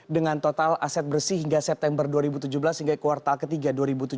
dengan total aset bersih hingga september dua ribu tujuh belas hingga kuartal ketiga dua ribu tujuh belas